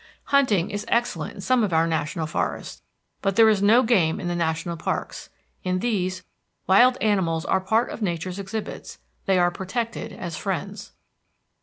Hunting is excellent in some of our national forests, but there is no game in the national parks; in these, wild animals are a part of nature's exhibits; they are protected as friends.